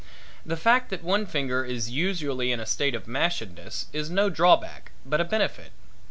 The fact that one finger is usually in a state of mashedness is no drawback, but a benefit.